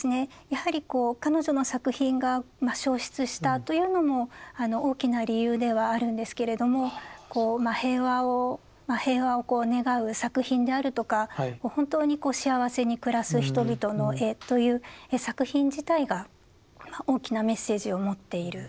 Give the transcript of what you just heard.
やはり彼女の作品が焼失したというのも大きな理由ではあるんですけれども平和を願う作品であるとか本当に幸せに暮らす人々の絵という作品自体が大きなメッセージを持っている。